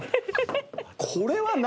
これは何？